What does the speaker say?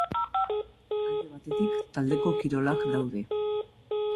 Alde batetik taldeko kirolak daude.